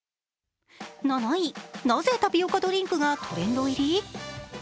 ７位、なぜタピオカドリンクがトレンド入り？